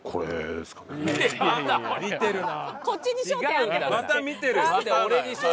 見てるな。